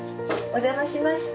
お邪魔しました。